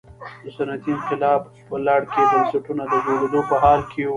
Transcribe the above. د صنعتي انقلاب په لړ کې بنسټونه د جوړېدو په حال کې وو.